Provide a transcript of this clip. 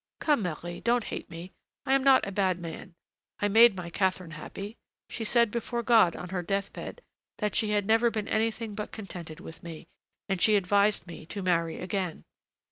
Come, Marie, don't hate me, I am not a bad man; I made my Catherine happy; she said before God, on her death bed, that she had never been anything but contented with me, and she advised me to marry again.